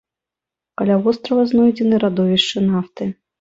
Каля вострава знойдзены радовішчы нафты.